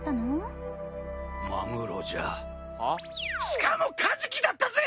しかもカジキだったぜ！